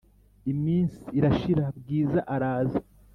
Iminsi irashira bwiza araza